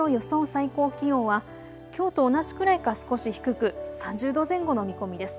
最高気温はきょうと同じくらいか少し低く３０度前後の見込みです。